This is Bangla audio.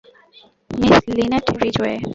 Miss Lynette Ridgeway!